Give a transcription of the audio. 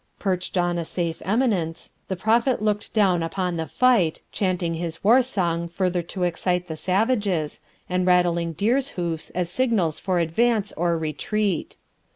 Perched on a safe eminence, the Prophet looked down upon the fight, chanting his war song further to excite the savages, and rattling deers' hoofs as signals for advance or retreat.